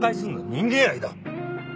人間愛だ！